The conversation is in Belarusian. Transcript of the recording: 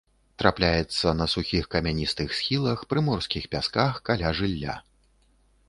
Трапляецца на сухіх камяністых схілах, прыморскіх пясках, каля жылля.